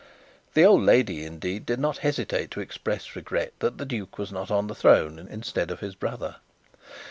The old lady, indeed, did not hesitate to express regret that the duke was not on the throne, instead of his brother.